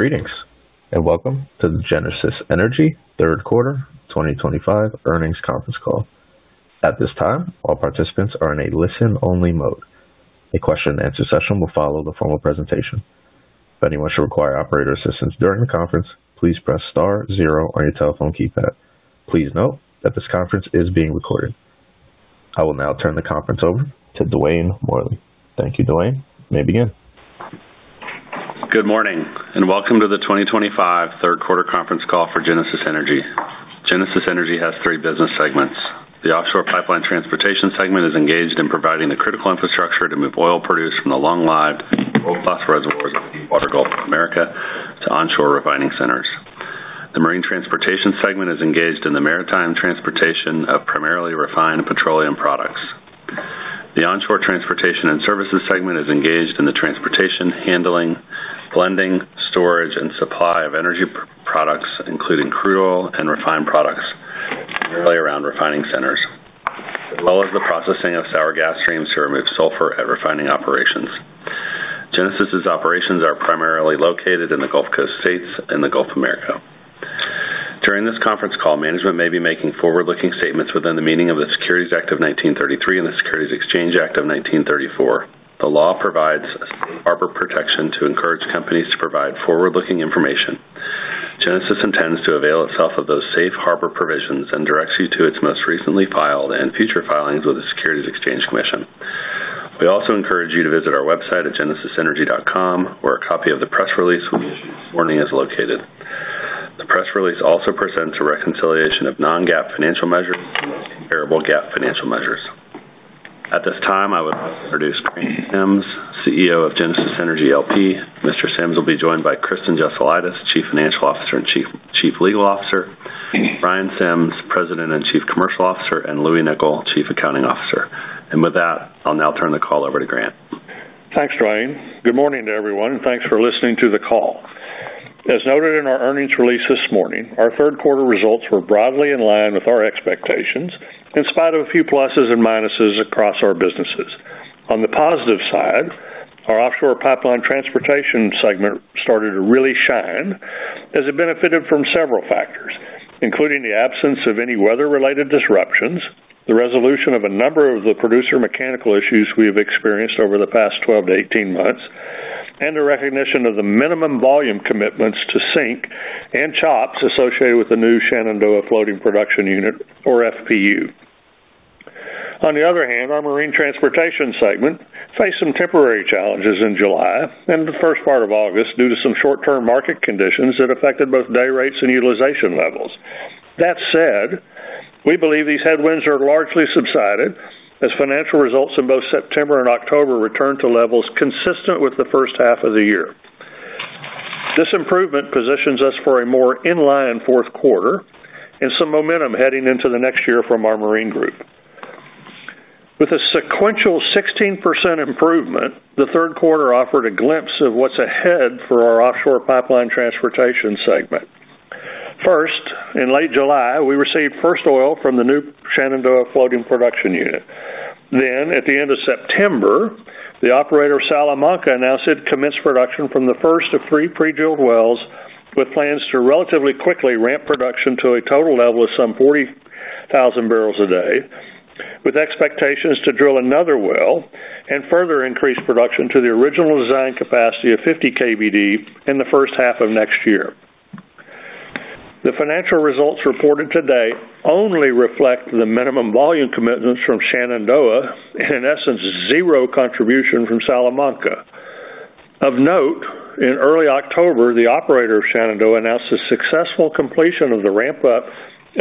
Greetings and welcome to the Genesis Energy third quarter 2025 earnings conference call. At this time all participants are in a listen only mode. A question and answer session will follow the formal presentation. If anyone should require operator assistance during the conference, please press star zero on your telephone keypad. Please note that this conference is being recorded. I will now turn the conference over to Dwayne Morley. Thank you. Dwayne, you may begin. Good morning and welcome to the 2025 third quarter conference call for Genesis Energy. Genesis Energy has three business segments. The offshore pipeline transportation segment is engaged in providing the critical infrastructure to move oil produced from the long-lived world. Class reservoirs of the deepwater Gulf of Mexico. America to onshore refining centers. The Marine Transportation segment is engaged in the maritime transportation of primarily refined petroleum products. The Onshore and Transportation Services segment is engaged in the transportation, handling, blending, storage, and supply of energy products including crude oil and refined products around refining centers as well as the processing of sour gas streams to remove sulfur at refining operations. Genesis operations are primarily located in the Gulf Coast States and the Gulf of America. During this conference call, management may be making forward-looking statements within the meaning of the Securities Act of 1933 and the Securities Exchange Act of 1934. The law provides safe harbor protection to encourage companies to provide forward-looking information. Genesis intends to avail itself of those safe harbor provisions and directs you to its most recently filed and future filings with the Securities Exchange Commission. We also encourage you to visit our website at genesisenergy.com where a copy of the press release warning is located. The press release also presents a reconciliation of non-GAAP financial measures and comparable GAAP financial measures. At this time I would like to introduce Grant Sims, CEO of Genesis Energy LP. Mr. Sims will be joined by Kristen Jesilaidis, Chief Financial Officer and Chief Legal Officer, Brian Sims, President and Chief Commercial Officer, and Louis Nichol, Chief Accounting Officer. With that, I'll now turn the call over to Grant. Thanks, Dwayne. Good morning to everyone, and thanks for listening to the call. As noted in our earnings release this morning, our third quarter results were broadly in line with our expectations in spite of a few pluses and minuses across our businesses. On the positive side, our offshore pipeline transportation segment started to really shine as it benefited from several factors, including the absence of any weather-related disruptions and the resolution of a number of the producer mechanical issues we have experienced over the. Past 12 to 18 months, and the. Recognition of the minimum volume commitments to SINK and CHOPS associated with the new. Shenandoah Floating Production Unit or FPU. On the other hand, our Marine Transportation segment faced some temporary challenges in July and the first part of August due to some short term market conditions that affected both day rates and utilization levels. That said, we believe these headwinds are largely subsided as financial results in both September and October returned to levels consistent with the first half of the year. This improvement positions us for a more in line fourth quarter and some momentum heading into the next year from our Marine group with a sequential 16% improvement. The third quarter offered a glimpse of what's ahead for our Offshore Pipeline Transportation segment. First, in late July we received first oil from the new Shenandoah Floating Production Unit. At the end of September the operator Salamanca announced it commenced production from the first of three pre-drilled wells with plans to relatively quickly ramp production to a total level of some 40,000 barrels a day with expectations to drill another well and further increase production to the original design capacity of 50,000 kbd per day in the first half of next year. The financial results reported today only reflect the minimum volume commitments from Shenandoah, in essence zero contribution from Salamanca. Of note, in early October the operator of Shenandoah announced the successful completion of the ramp up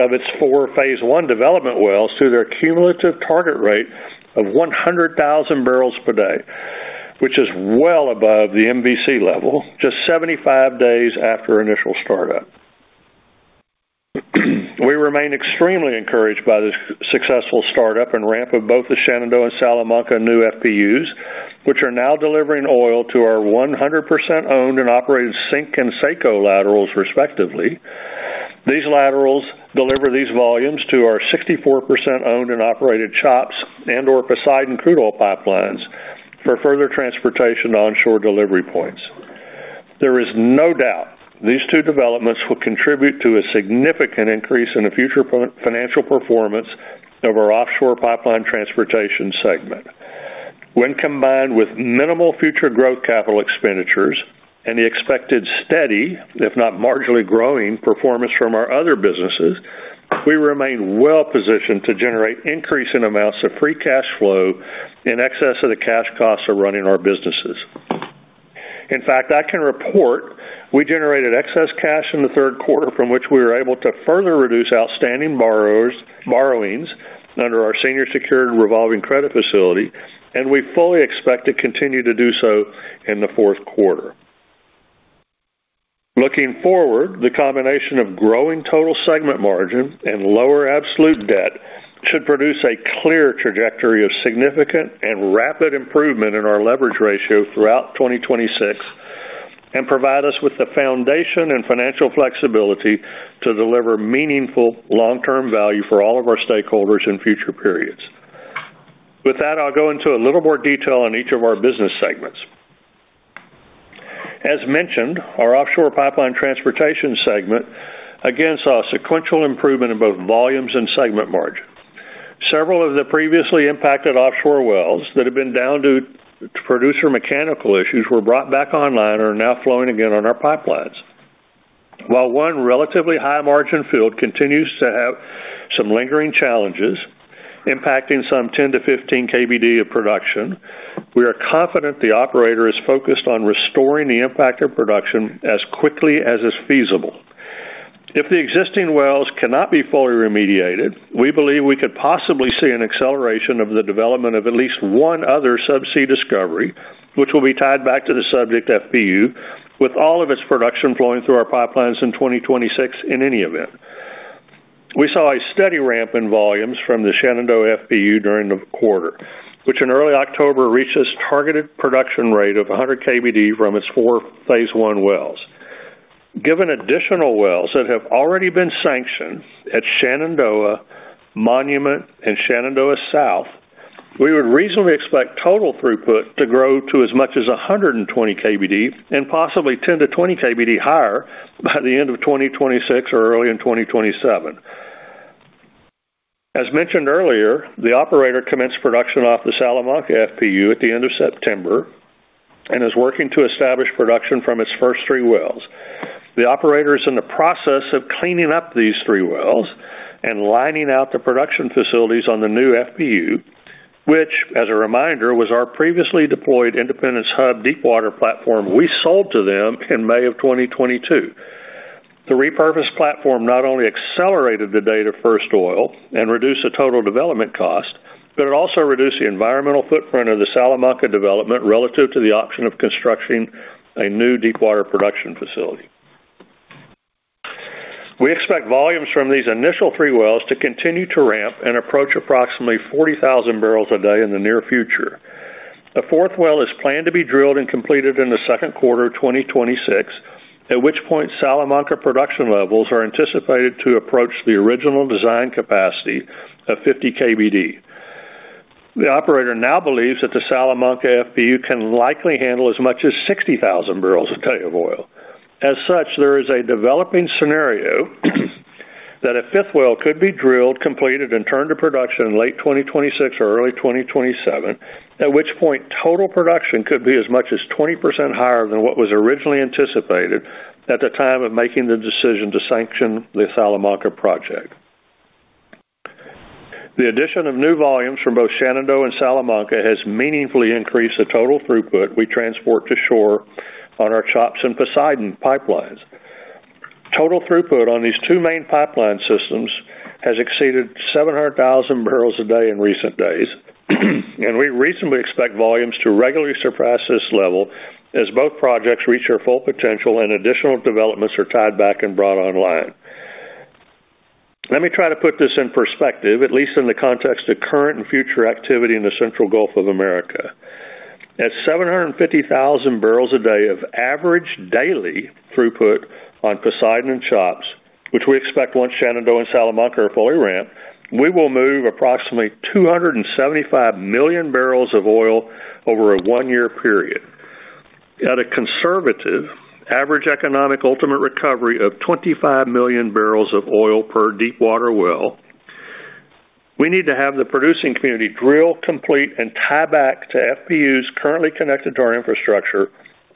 of its four phase one development wells to their cumulative target rate of 100,000 barrels per day, which is well above the MVC level just 75 days after initial startup. We remain extremely encouraged by this successful startup and ramp of both the Shenandoah and Salamanca new FPUs which are now delivering oil to our 100% owned and operated SINK and Saco laterals respectively. These laterals deliver these volumes to our 64% owned and operated CHOPS and/or Poseidon crude oil pipelines for further transportation to onshore delivery points. There is no doubt these two developments will contribute to a significant increase in the future financial performance of our Offshore Pipeline Transportation segment. When combined with minimal future growth capital expenditures and the expected steady if not marginally growing performance from our other businesses, we remain well positioned to generate increasing amounts of free cash flow in excess of the cash costs of running our businesses. In fact, I can report we generated excess cash in the third quarter from which we were able to further reduce outstanding borrowings under our senior secured revolving credit facility, and we fully expect to continue to do so in the fourth quarter. Looking forward, the combination of growing total segment margin and lower absolute debt should produce a clear trajectory of significant and rapid improvement in our leverage ratio throughout 2026 and provide us with the foundation and financial flexibility to deliver meaningful long-term value for all of our stakeholders in future periods. With that, I'll go into a little more detail on each of our business segments. As mentioned, our offshore pipeline transportation segment again saw a sequential improvement in both volumes and segment margin. Several of the previously impacted offshore wells that have been down due to producer mechanical issues were brought back online and are now flowing again on our pipelines. While one relatively high-margin field continues to have some lingering challenges impacting some 10 kbd-15 kbd of production, we are confident the operator is focused on restoring the impacted production as quickly as is feasible. If the existing wells cannot be fully remediated, we believe we could possibly see an acceleration of the development of at least one other subsea discovery, which will be tied back to the subject FPU with all of its production flowing through our pipelines in 2026. In any event, we saw a steady ramp in volumes from the Shenandoah FPU during the quarter, which in early October reached its targeted production rate of 100 kbd from its four phase one wells. Given additional wells that have already been sanctioned at Shenandoah Monument and Shenandoah South, we would reasonably expect total throughput to grow to as much as 120 kbd and possibly 10 kbd-20 kbd higher than that by the end of 2026 or early in 2027. As mentioned earlier, the operator commenced production off the Salamanca FPU at the end of September and is working to establish production from its first three wells. The operator is in the process of cleaning up these three wells and lining out the production facilities on the new FPU, which as a reminder was our previously deployed Independence Hub deepwater platform we sold to them in May of 2022. The repurposed platform not only accelerated the date of First Oil and reduced the total development cost, but it also reduced the environmental footprint of the Salamanca Development relative to the option of constructing a new deepwater production facility. We expect volumes from these initial three wells to continue to ramp and approach approximately 40,000 barrels a day in the near future. The fourth well is planned to be drilled and completed in the second quarter 2026, at which point Salamanca production levels are anticipated to approach the original design capacity of 50,000 barrels a day. The operator now believes that the Salamanca FPU can likely handle as much as 60,000 barrels a day of oil. As such, there is a developing scenario that a fifth well could be drilled, completed and turned to production in late 2026 or early 2027, at which point total production could be as much as 20% higher than what was originally anticipated at the time of making the decision to sanction the Salamanca Project. The addition of new volumes from both Shenandoah and Salamanca has meaningfully increased the total throughput we transport to shore on our CHOPS and Poseidon pipelines. Total throughput on these two main pipeline systems has exceeded 700,000 barrels a day in recent days and we reasonably expect volumes to regularly surpass this level as both projects reach their full potential and additional developments are tied back and brought online. Let me try to put this in perspective at least in the context of current and future activity in the central Gulf of America. At 750,000 barrels a day of average daily throughput on Poseidon and CHOPS, which we expect once Shenandoah and Salamanca are fully ramped, we will move approximately 275 million barrels of oil over a one year period at a conservative average economic ultimate recovery of 25 million barrels of oil per deepwater well. We need to have the producing community drill, complete and tie back to FPUs currently connected to our infrastructure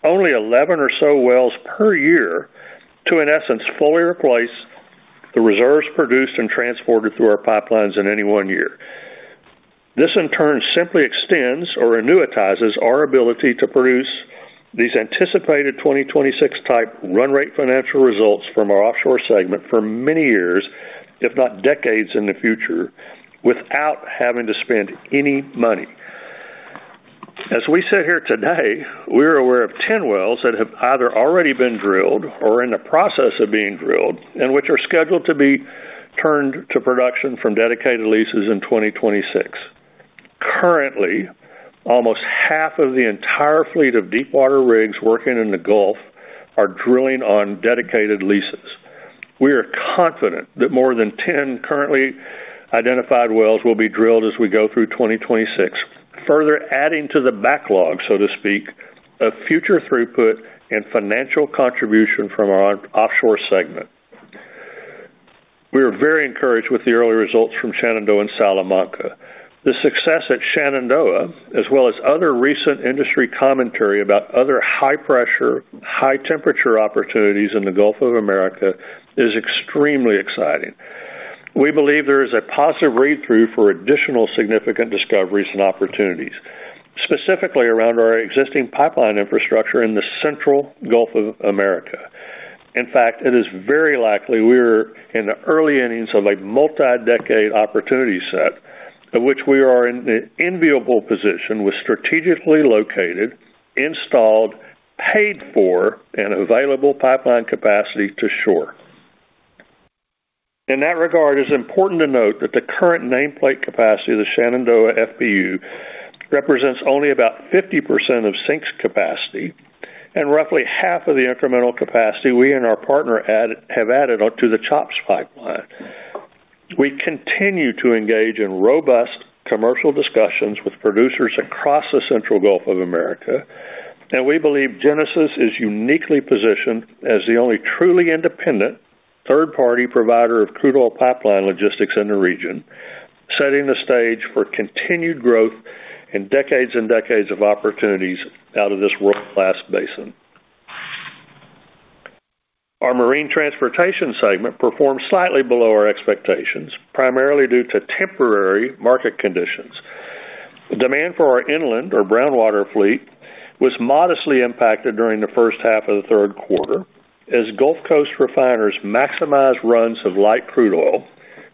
only 11 or so wells per year to in essence fully replace the reserves produced and transported through our pipelines in any one year. This in turn simply extends or annuitizes our ability to produce these anticipated 2026 type run rate financial results from our offshore segment for many years, if not decades in the future without having to spend any money. As we sit here today, we are aware of 10 wells that have either already been drilled or are in the process of being drilled and which are scheduled to be turned to production from dedicated leases in 2026. Currently, almost half of the entire fleet of deepwater rigs working in the Gulf are drilling on dedicated leases. We are confident that more than 10 currently identified wells will be drilled as we go through 2026, further adding to the backlog, so to speak, of future throughput and financial contribution from our offshore segment. We are very encouraged with the early results from Shenandoah and Salamanca. The success at Shenandoah, as well as other recent industry commentary about other high pressure high temperature opportunities in the Gulf of America, is extremely exciting. We believe there is a positive read through for additional significant discoveries and opportunities specifically around our existing pipeline infrastructure in the central Gulf of America. In fact, it is very likely we are in the early innings of a multi-decade opportunity set of which we are in an enviable position with strategically located, installed, paid for, and available pipeline capacity to shore. In that regard, it is important to note that the current nameplate capacity of the Shenandoah FPU represents only about 50% of SINK's capacity and roughly half of the incremental capacity we and our partner have added to the CHOPS pipeline. We continue to engage in robust commercial discussions with producers across the central Gulf of America, and we believe Genesis is uniquely positioned as the only truly independent third-party provider of crude oil pipeline logistics in the region, setting the stage for continued growth and decades and decades of opportunities out of this world-class basin. Our Marine Transportation segment performed slightly below our expectations, primarily due to temporary market conditions. Demand for our inland or brown water fleet was modestly impacted during the first half of the third quarter as Gulf Coast refiners maximized runs of light crude oil,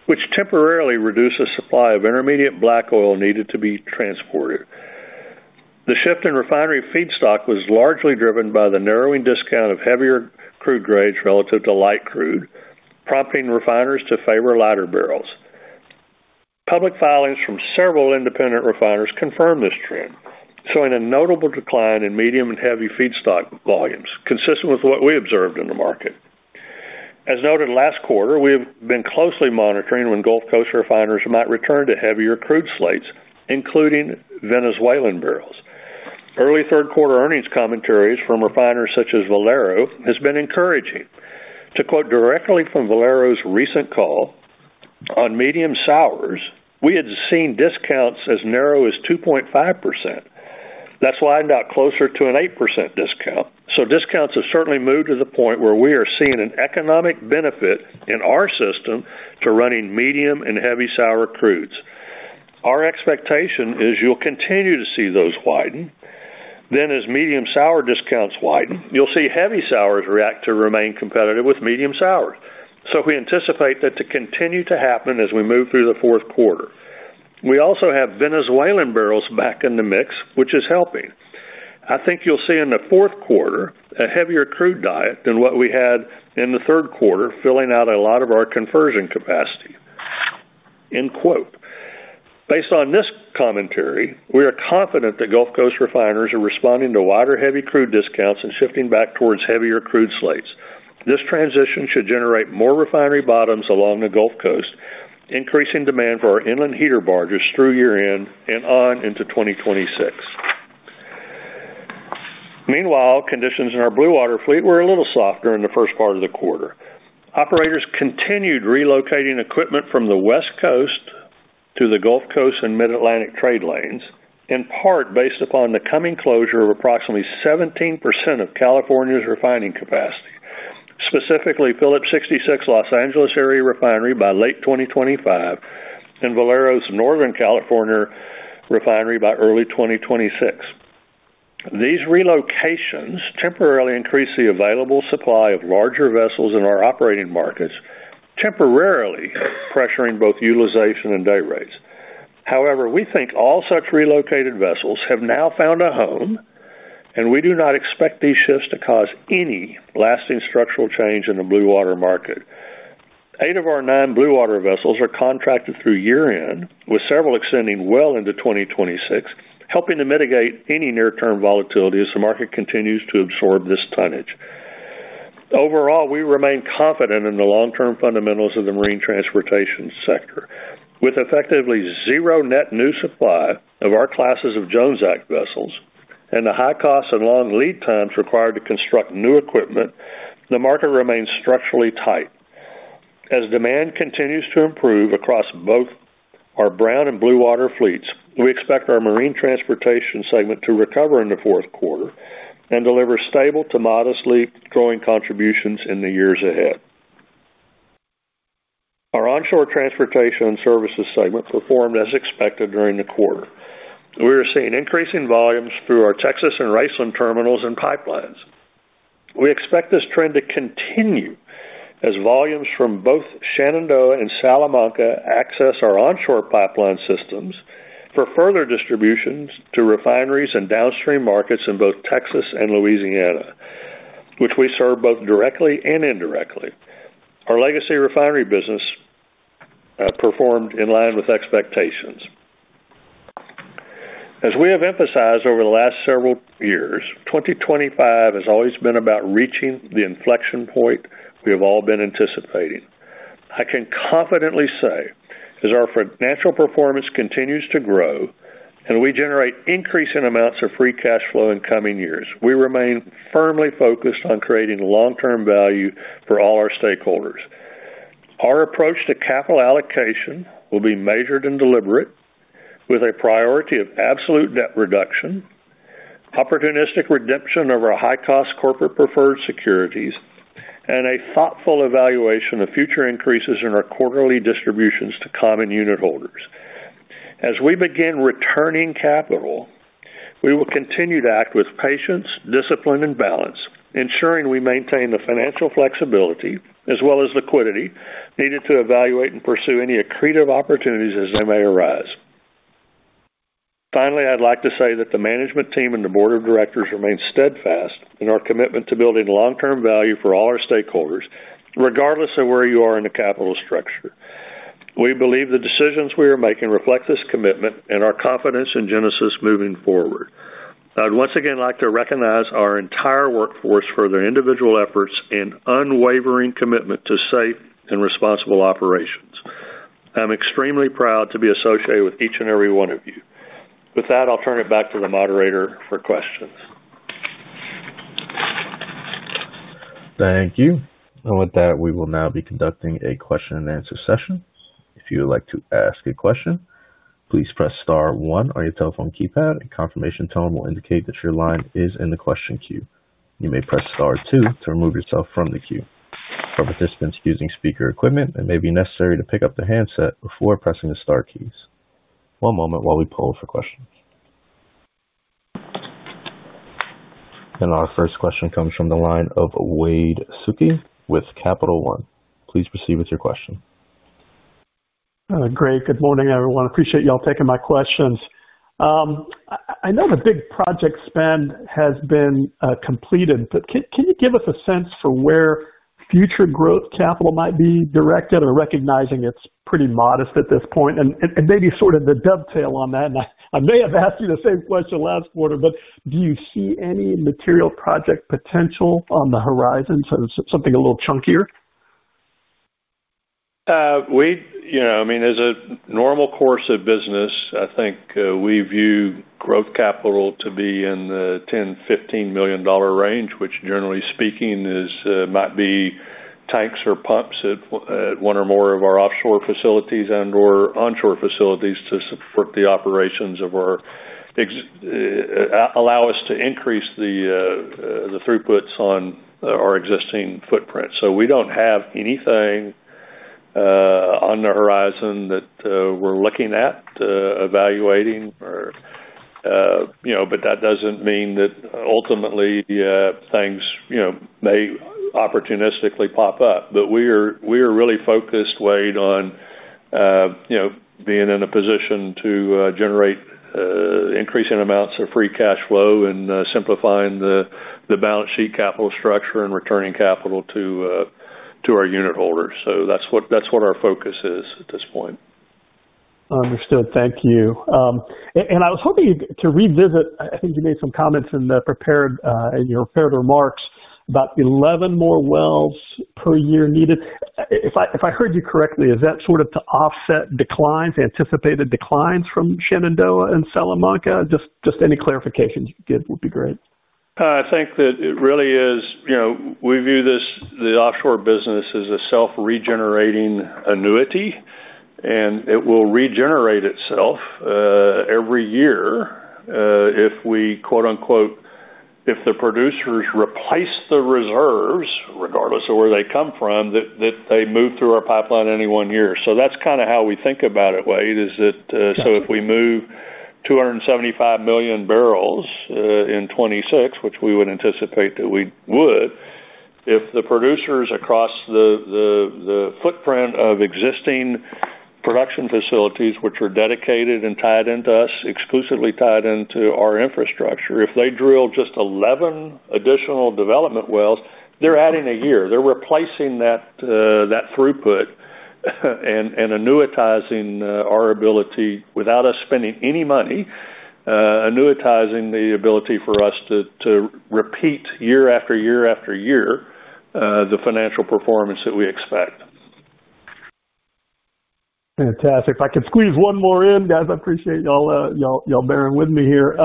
which temporarily reduced the supply of intermediate black oil needed to be transported. The shift in refinery feedstock was largely driven by the narrowing discount of heavier crude grades relative to light crude, prompting refiners to favor lighter barrels. Public filings from several independent refiners confirmed this trend, showing a notable decline in medium and heavy feedstock volumes consistent with what we observed in the market. As noted last quarter, we have been closely monitoring when Gulf Coast refiners might return to heavier crude slates, including Venezuelan barrels. Early third quarter earnings commentaries from refiners such as Valero have been encouraging. To quote directly from Valero's recent call on medium sours, "We had seen discounts as narrow as 2.5%, that's why not closer to an 8% discount." Discounts have certainly moved to the point where we are seeing an economic benefit in our system to running medium and heavy sour crudes. Our expectation is you'll continue to see those widen. As medium sour discounts widen, you'll see heavy sours react to remain competitive with medium sours. We anticipate that to continue to happen as we move through the fourth quarter. We also have Venezuelan barrels back in the mix, which is helping. I think you'll see in the fourth quarter a heavier crude diet than what we had in the third quarter, filling out a lot of our conversion capacity. Based on this commentary, we are confident that Gulf Coast refiners are responding to wider heavy crude discounts and shifting back towards heavier crude slates. This transition should generate more refinery bottoms along the Gulf Coast, increasing demand for our inland heater barges through year end and on into 2026. Meanwhile, conditions in our blue water fleet were a little softer in the first part of the quarter. Operators continued relocating equipment from the West Coast to the Gulf Coast and Mid Atlantic trade lanes, in part based upon the coming closure of approximately 17% of California's refining capacity, specifically Phillips 66 Los Angeles Area Refinery by late 2025 and Valero's Northern California Refinery by early 2026. These relocations temporarily increase the available supply of larger vessels in our operating markets. Temporarily pressuring both utilization and day rates. However, we think all such relocated vessels have now found a home, and we do not expect these shifts to cause any lasting structural change in the Blue Water market. Eight of our nine Blue Water vessels are contracted through year end, with several extending well into 2026, helping to mitigate any near-term volatility as the market continues to absorb this tonnage. Overall, we remain confident in the long-term fundamentals of the Marine Transportation sector. With effectively zero net new supply of our classes of Jones Act vessels and the high cost and long lead times required to construct new equipment, the market remains structurally tight as demand continues to improve across both our Brown and Blue Water fleets. We expect our Marine Transportation segment to recover in the fourth quarter and deliver stable to modestly growing contributions in the years ahead. Our Onshore Transportation and Services segment performed as expected during the quarter. We are seeing increasing volumes through our Texas and Raceland terminals and pipelines. We expect this trend to continue as volumes from both Shenandoah and Salamanca access our onshore pipeline systems for further distributions to refineries and downstream markets in both Texas and Louisiana, which we serve both directly and indirectly. Our legacy refinery business performed in line with expectations. As we have emphasized over the last several years, 2025 has always been about reaching the inflection point we have all been anticipating. I can confidently say as our financial performance continues to grow and we generate increasing amounts of free cash flow in coming years, we remain firmly focused on creating long-term value for all our stakeholders. Our approach to capital allocation will be measured and deliberate, with a priority of absolute debt reduction, opportunistic redemption of our high-cost corporate preferred securities, and a thoughtful evaluation of future increases in our quarterly distributions to common unitholders. As we begin returning capital, we will continue to act with patience, discipline, and balance, ensuring we maintain the financial flexibility as well as liquidity needed to evaluate and pursue any accretive opportunities as they may arise. Finally, I'd like to say that the management team and the Board of Directors remain steadfast in our commitment to building long-term value for all our stakeholders. Regardless of where you are in the capital structure, we believe the decisions we are making reflect this commitment and our confidence in Genesis Moving forward, I'd once again like to recognize our entire workforce for their individual efforts and unwavering commitment to safe and responsible operations. I'm extremely proud to be associated with each and every one of you. With that, I'll turn it back to the moderator for questions. Thank you. With that, we will now be conducting a question and answer session. If you would like to ask a question, please press star one on your telephone keypad. A confirmation tone will indicate that your line is in the question queue. You may press star two to remove yourself from the queue. For participants using speaker equipment, it may be necessary to pick up the handset before pressing the star keys. One moment while we poll for questions. Our first question comes from the line of Wade Suki with Capital One. Please proceed with your question. Great. Good morning everyone. Appreciate you all taking my questions. I know the big project spend has been completed, but can you give us a sense for where future growth capital might be directed, recognizing it's pretty modest at this point, and maybe sort of to dovetail on that, I may have asked you the same question last quarter, do you see any material project potential on the horizon? Something a little chunkier. We, as a normal course of business, I think we view growth capital to be in the. million, $15 million range, which generally speaking. Might be tanks or pumps at one or more of our offshore facilities and or onshore facilities to support the operations. Of our. Allow us to increase the throughputs on our existing footprint. We don't have anything on the horizon that we're looking at evaluating. That doesn't mean that ultimately things may opportunistically pop up. We are really focused on being in a position to generate increasing amounts of free cash flow and simplifying. The balance sheet, capital structure, and returning. Capital to our unitholders, that's what our focus is at this point. Understood, thank you. I was hoping to revisit, I think you made some comments in your prepared remarks about 11 more wells per year needed, if I heard you correctly. Is that sort of to offset declines, anticipated declines from Shenandoah and Salamanca? Any clarification you could give would be great. I think that it really is. We view this, the offshore business, as a self-regenerating annuity, and it will regenerate itself every year if. We, quote unquote, if the producers replace the reserves regardless of where they come. From that, they move through our pipeline any one year. That is kind of how we think about it. Wade, is that so? If we move 275 million barrels in 2026, which we would anticipate that we would if the producers across the footprint of existing production facilities, which are. Dedicated and tied into us exclusively, tied. Into our infrastructure, if they drill just 11 additional development wells. They're adding a year. They're replacing that throughput and annuitizing our ability without us spending any money, annuitizing the ability for us to. To repeat year after year after year the financial performance that we expect. Fantastic. If I could squeeze one more in, I appreciate y'all bearing with me here,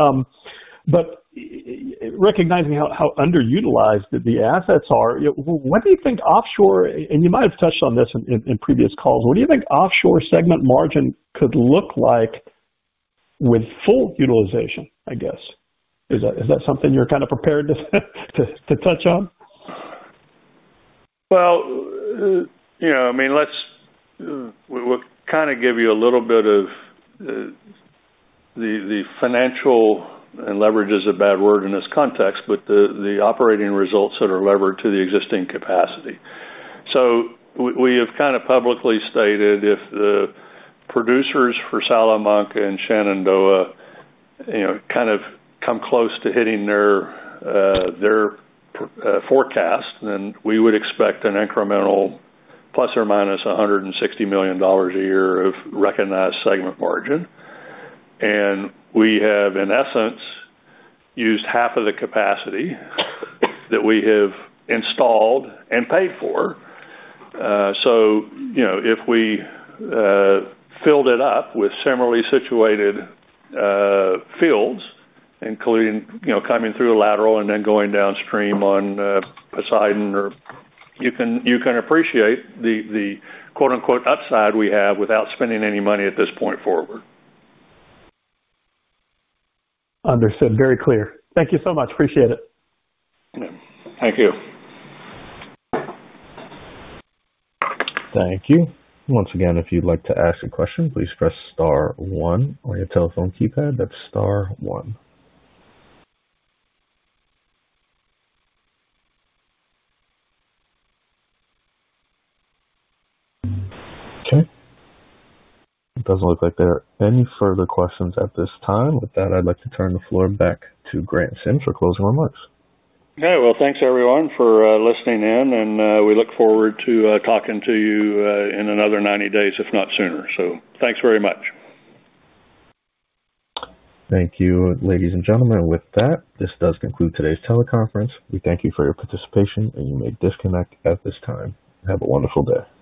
but recognizing how underutilized the assets are, what do you think offshore, and you might have touched on this in previous calls, what do you think offshore segment margin could look like with full utilization? I guess. Is that something you're prepared to touch on? I mean, let's kind of give you a little. Bit of. The financial and leverage is a bad word in. In this context, the operating results that. Are levered to the existing capacity. We have kind of publicly stated, if the producers for Salamanca and Shenandoah kind of come close to hitting their forecast, then we would expect an incremental plus or minus $160 million a year of recognized segment margin. We have, in essence, used half of the capacity that we have installed and paid for. If we filled it up with similarly situated fields, including coming through a lateral and then going downstream on Poseidon, you can appreciate the, the quote, unquote. Upside we have without spending any money. At this point forward. Understood. Very clear. Thank you so much. Appreciate it. Thank you. Thank you once again. If you'd like to ask a question, please press star one on your telephone keypad. That's star one. It doesn't look like there are any further questions at this time. With that, I'd like to turn the floor back to Grant Sims for closing remarks. Thanks everyone for listening in. We look forward to talking to you in another 90 days, if not sooner. Thanks very much. Thank you, ladies and gentlemen. With that, this does conclude today's teleconference. We thank you for your participation, and you may disconnect at this time. Have a wonderful day.